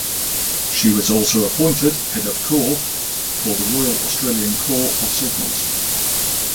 She was also appointed Head of Corps for the Royal Australian Corps of Signals.